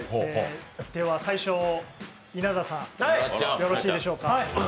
では最初、稲田さんよろしいでしょうか。